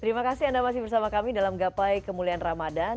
terima kasih anda masih bersama kami dalam gapai kemuliaan ramadan